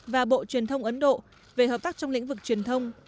và bộ truyền thông ấn độ về hợp tác trong lĩnh vực truyền thông